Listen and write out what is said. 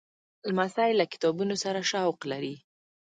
لمسی له کتابونو سره شوق لري.